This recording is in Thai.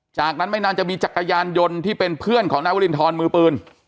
จากนั้นไม่นานจะมีจักรยานยนต์ที่เป็นเพื่อนของนายวรินทรมือปืน